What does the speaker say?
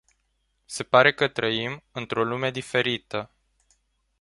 Se pare că trăim într-o lume diferită.